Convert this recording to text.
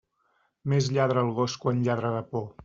Més lladra el gos quan lladra de por.